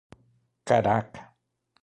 Caraca!